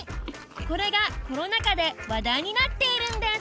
これがコロナ禍で話題になっているんです